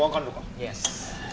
イエス。